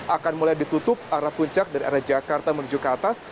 akan mulai ditutup arah puncak dari arah jakarta menuju ke atas